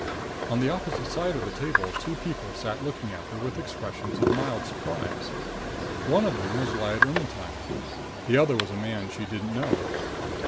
On the opposite side of the table two people sat looking at her with expressions of mild surprise. One of them was Lyad Ermetyne. The other was a man she didn't know.